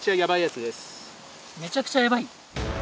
めちゃくちゃやばい？